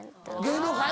芸能界？